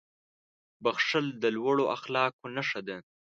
• بښل د لوړو اخلاقو نښه ده.